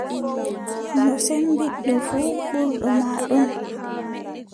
No cemmbiɗɗo fuu, ɓurɗo ma ɗon.